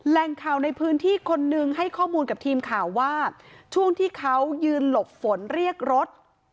แหล่งข่าวในพื้นที่คนนึงให้ข้อมูลกับทีมข่าวว่าช่วงที่เขายืนหลบฝนเรียกรถ